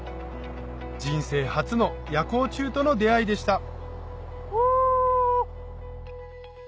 人生初の夜光虫との出合いでしたフォ！